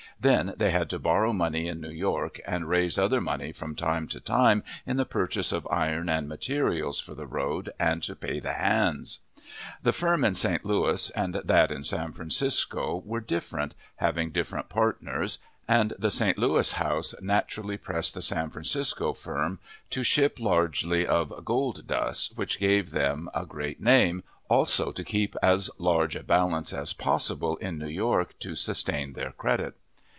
Then they had to borrow money in New York, and raise other money from time to time, in the purchase of iron and materials for the road, and to pay the hands. The firm in St. Louis and that in San Francisco were different, having different partners, and the St. Louis house naturally pressed the San Francisco firm to ship largely of "gold dust," which gave them a great name; also to keep as large a balance as possible in New York to sustain their credit.